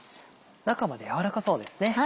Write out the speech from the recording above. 中まで軟らかそうですね。